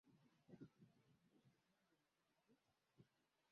mara tatu kwa kufikia manufaa halisi ya ulimwengu kwa ajili ya afya